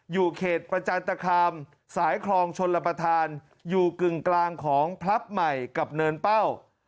อยู่เขตประจันตคามสายคลองชนรับประทานอยู่กึ่งกลางของพลับใหม่กับเนินเป้า